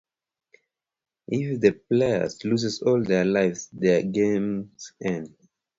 If the player loses all their lives, the game ends.